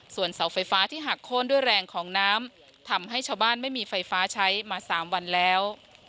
ส่วนเสาไฟฟ้าที่หักโค้นด้วยแรงของน้ำทำให้ชาวบ้านไม่มีไฟฟ้าใช้มา๓วันแล้ว